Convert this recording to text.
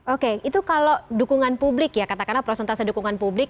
oke itu kalau dukungan publik ya katakanlah prosentase dukungan publik